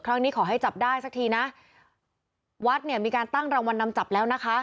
ขอให้จับได้สักทีนะวัดเนี่ยมีการตั้งรางวัลนำจับแล้วนะคะ